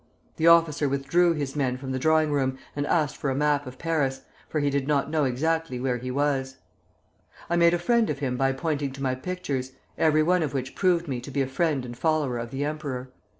The officer withdrew his men from the drawing room and asked for a map of Paris, for he did not know exactly where he was. I made a friend of him by pointing to my pictures, everyone of which proved me to be a friend and follower of the emperor.